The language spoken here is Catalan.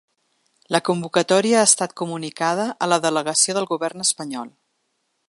La convocatòria ha estat comunicada a la delegació del govern espanyol.